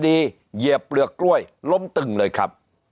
เหยียบเปลือกกล้วยล้มตึงเลยครับ